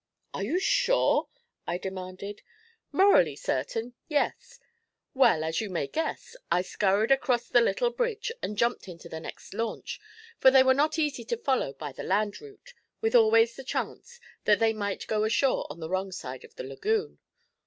'Are you sure?' I demanded. 'Morally certain, yes. Well, as you may guess, I scurried across the little bridge and jumped into the next launch, for they were not easy to follow by the land route, with always the chance that they might go ashore on the wrong side of the lagoon.